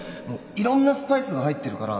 色んなスパイスが入ってるから